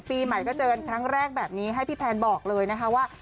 ปีใหม่ก็เจอกันครั้งแรกแบบนี้ให้พี่แพนบอกเลยนะคะว่า